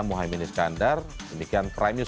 mohaimin iskandar demikian prime news